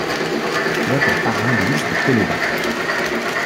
Il a pour parrain Luis de Pauloba.